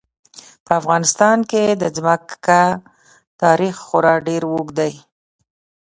په افغانستان کې د ځمکه تاریخ خورا ډېر اوږد دی.